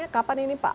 kapan ini pak